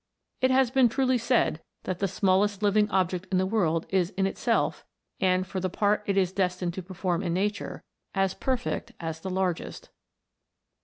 It has been truly said, that the smallest living object in the world is in itself, and for the part it is destined to perform in nature, as perfect as the largest.